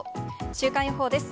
週間予報です。